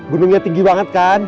gunungnya tinggi banget kan